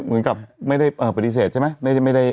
เหมือนกับไม่ได้ปฏิเสธใช่ไหม